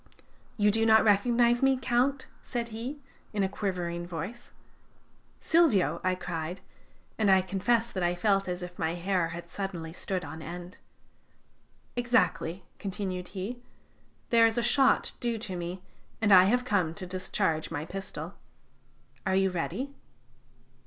"'You do not recognize me, Count?' said he, in a quivering voice. "'Silvio!' I cried, and I confess that I felt as if my hair had suddenly stood on end. "'Exactly,' continued he. 'There is a shot due to me, and I have come to discharge my pistol. Are you ready?'